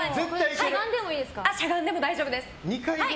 しゃがんでも大丈夫です。